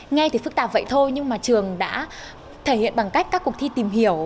nghe thì phức tạp vậy thôi nhưng mà trường đã thể hiện bằng cách các cuộc thi tìm hiểu